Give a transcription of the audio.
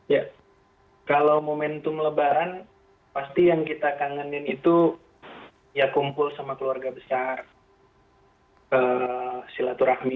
ya kalau momentum lebaran pasti yang kita kangenin itu ya kumpul sama keluarga besar silaturahmi